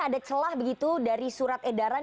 ada celah begitu dari surat edaran